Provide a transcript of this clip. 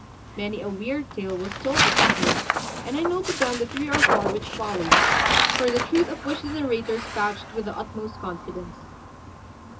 Many a weird tale was told that evening, and I noted down the three or four which follow, for the truth of which the narrators vouched with the utmost confidence.